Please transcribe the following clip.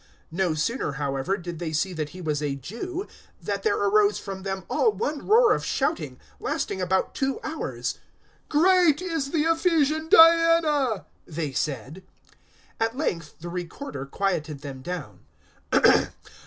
019:034 No sooner, however, did they see that he was a Jew, than there arose from them all one roar of shouting, lasting about two hours. "Great is the Ephesian Diana," they said. 019:035 At length the Recorder quieted them down.